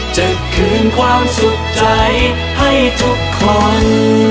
จะคืนความสุขใจให้ทุกคน